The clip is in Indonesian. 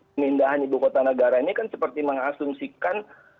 pemindahan ibu kota negara ini kan seperti mengasumsikan